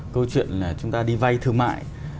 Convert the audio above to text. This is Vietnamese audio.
câu chuyện là chúng ta đi vay thương mại